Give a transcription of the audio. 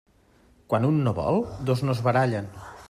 Quan un no vol, dos no es barallen.